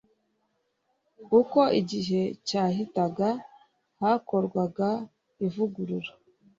Uko igihe cyahitaga hakorwaga ivugurura